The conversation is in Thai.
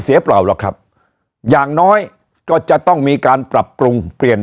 เปล่าหรอกครับอย่างน้อยก็จะต้องมีการปรับปรุงเปลี่ยน